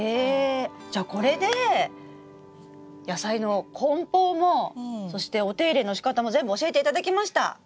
じゃこれで野菜のこん包もそしてお手入れのしかたも全部教えていただきました！